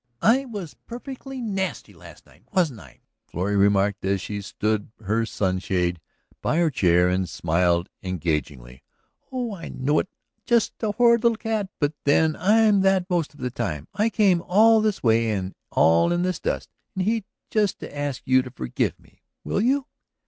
"I was perfectly nasty last night, wasn't I?" Florrie remarked as she stood her sunshade by her chair and smiled engagingly. "Oh, I know it. Just a horrid little cat ... but then I'm that most of the time. I came all this way and in all this dust and heat just to ask you to forgive me. Will you?"